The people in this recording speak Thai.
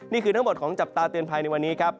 นี่คือทั้งหมดของจับตาเตือนภัยในวันนี้ครับ